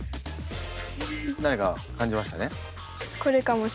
何か感じましたね？